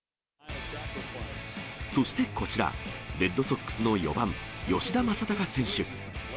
そしてこちら、レッドソックスの４番吉田正尚選手。